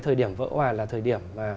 thời điểm vỡ hoà là thời điểm